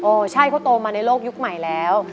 ใช่เขาโตมาในโลกยุคใหม่แล้ว